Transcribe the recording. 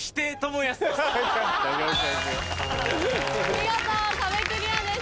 見事壁クリアです。